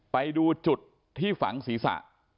ไปดูจุดที่ฝังศีรษะ